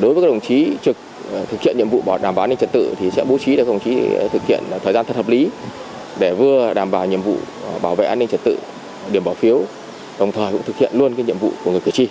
đối với các đồng chí trực thực hiện nhiệm vụ bảo đảm an ninh trật tự thì sẽ bố trí được đồng chí thực hiện thời gian thật hợp lý để vừa đảm bảo nhiệm vụ bảo vệ an ninh trật tự điểm bỏ phiếu đồng thời cũng thực hiện luôn nhiệm vụ của người cử tri